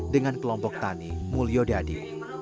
dengan kelompok tani mulyodadi